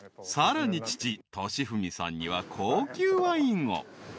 ［さらに父敏文さんには高級ワインを］